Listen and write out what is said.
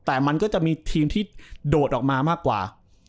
แต่มันก็จะมีทีมที่โดดออกมามากกว่า